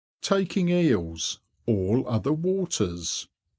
TAKING EELS.—ALL OTHER WATERS.